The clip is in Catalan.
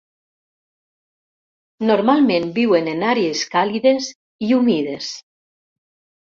Normalment viuen en àrees càlides i humides.